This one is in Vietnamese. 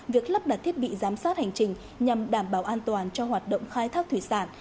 việc lắp đặt thiết bị giám sát hành trình nhằm đảm bảo an toàn cho hoạt động khai thác thủy sản